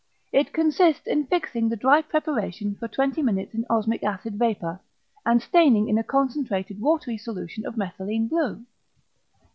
It consists in fixing the dry preparation for 20 minutes in osmic acid vapour, and staining in a concentrated watery solution of methylene blue.